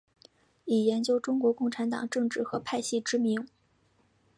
以研究中国共产党政治和派系知名。